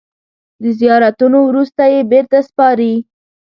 د زیارتونو وروسته یې بېرته سپاري.